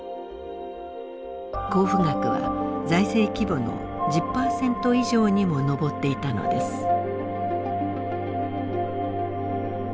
交付額は財政規模の１０％以上にも上っていたのです。